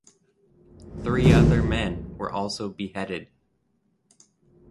Three other men were also beheaded.